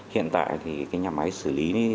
hiện tại thì cái nhà máy xử lý